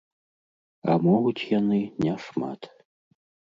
А могуць яны не шмат.